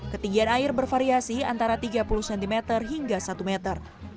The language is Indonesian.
ketinggian air bervariasi antara tiga puluh cm hingga satu meter